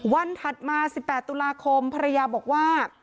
ถัดมา๑๘ตุลาคมภรรยาบอกว่า